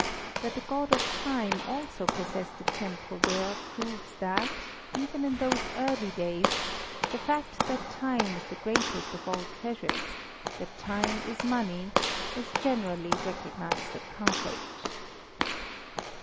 That the God of Time also possessed a temple there proves that, even in those early days, the fact that time is the greatest of all treasures, that time is money, was generally recognized at Carthage.